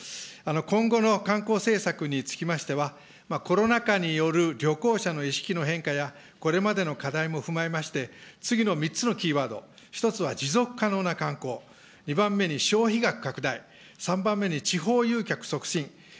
今後の観光政策につきましては、コロナ禍による旅行者の意識の変化や、これまでの課題も踏まえまして、次の３つのキーワード、１つは持続可能な観光、２番目に消費額拡大、３番目に地方誘客促進。